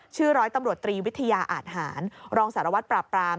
ร้อยตำรวจตรีวิทยาอาทหารรองสารวัตรปราบปราม